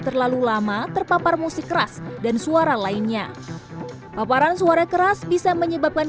terlalu lama terpapar musik keras dan suara lainnya paparan suara keras bisa menyebabkan